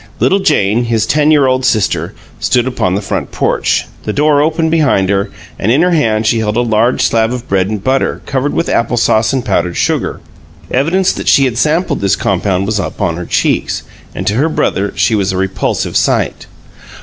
Little Jane, his ten year old sister, stood upon the front porch, the door open behind her, and in her hand she held a large slab of bread and butter covered with apple sauce and powdered sugar. Evidence that she had sampled this compound was upon her cheeks, and to her brother she was a repulsive sight.